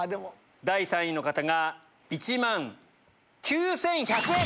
第３位の方が１万９１００円。